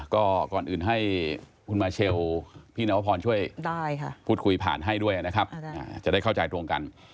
ก็ก่อนอื่นให้คุณมาเชลพี่นวพรช่วยพูดคุยผ่านให้ด้วยนะครับจะได้เข้าใจตรงกัน